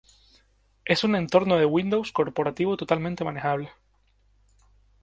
Es un entorno de Windows corporativo totalmente manejable.